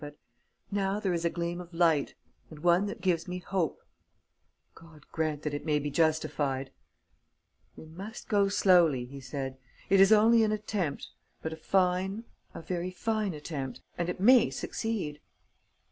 But now there is a gleam of light ... and one that gives me hope." "God grant that it may be justified!" "We must go slowly," he said. "It is only an attempt, but a fine, a very fine attempt; and it may succeed."